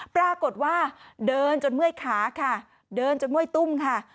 ปรากฏว่าเดินจนเมื่อยขาค่ะเดินจนเมื่อยตุ้มค่ะ